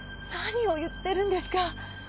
何を言ってるんですか？